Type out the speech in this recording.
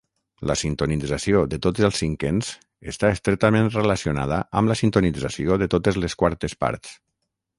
La sintonització de tots els cinquens està estretament relacionada amb la sintonització de totes les quartes parts.